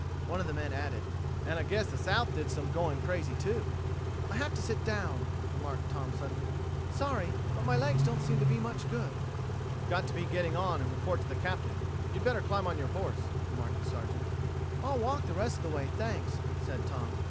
One of the men added: "And I guess the South did some going crazy, too." "I have to sit down," remarked Tom suddenly. "Sorry, but my legs don't seem to be much good." "We've got to be getting on and report to the Captain. You'd better climb on your horse," remarked the Sergeant. "I'll walk the rest of the way, thanks," said Tom.